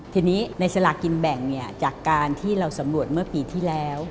ทีนี้ในสลากินแบ่งจากการที่เราสำรวจเมื่อปีที่แล้ว